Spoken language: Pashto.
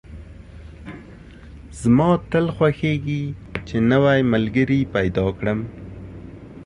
زما تل خوښېږي چې نوی ملګري پیدا کدم